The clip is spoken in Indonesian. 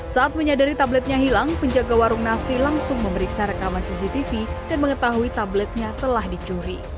saat menyadari tabletnya hilang penjaga warung nasi langsung memeriksa rekaman cctv dan mengetahui tabletnya telah dicuri